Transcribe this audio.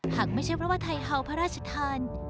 หากไม่ใช่เพราะว่าหายเข้าบราชทาน